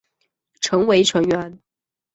曾为成员。